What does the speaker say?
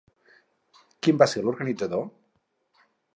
Qui en va ser l'organitzador?